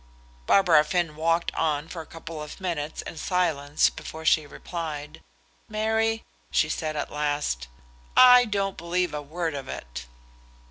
Barbara Finn walked on for a couple of minutes in silence before she replied. "Mary," she said at last, "I don't believe a word of it."